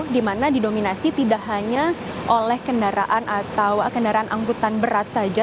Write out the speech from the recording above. di mana didominasi tidak hanya oleh kendaraan atau kendaraan angkutan berat saja